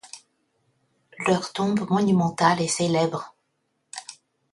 Leur tombe monumentale est célèbre.